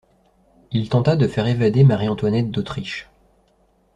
Il tenta de faire évader Marie-Antoinette d'Autriche.